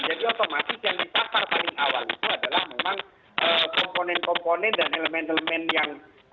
jadi otomatis yang disakar paling awal itu adalah memang komponen komponen dan elemen elemen yang